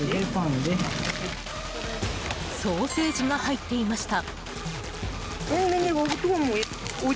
ソーセージが入っていました。